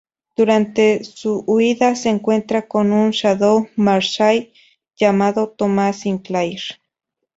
Durante su huida, se encuentran con un Shadow Marshall llamado Thomas Sinclair.